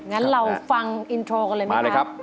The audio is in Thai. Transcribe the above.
งั้นเราฟังอินโทรกันเลยไหมครับ